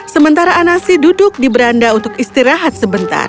sementara anasi duduk di beranda untuk istirahat sebentar